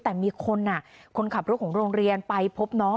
แต่มีคนคนขับรถของโรงเรียนไปพบน้อง